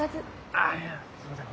あいやすいません